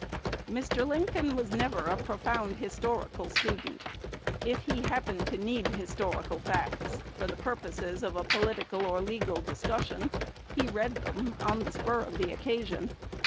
Mr. Lincoln was never a profound historical student: if he happened to need historical facts for the purposes of a political or legal discussion, he read them on the spur of the occasion.